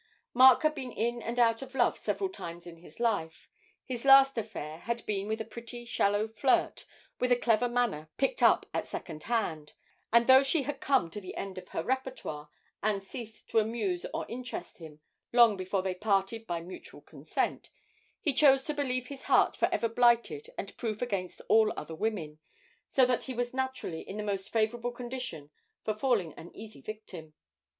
Mark had been in and out of love several times in his life; his last affair had been with a pretty, shallow flirt with a clever manner picked up at secondhand, and though she had come to the end of her répertoire and ceased to amuse or interest him long before they parted by mutual consent, he chose to believe his heart for ever blighted and proof against all other women, so that he was naturally in the most favourable condition for falling an easy victim.